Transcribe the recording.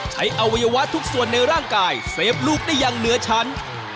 อวัยวะทุกส่วนในร่างกายเซฟลูกได้อย่างเหนือชั้น